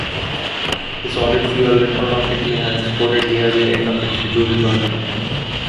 The solid-fuel retrorocket may have exploded near the end of its scheduled burn.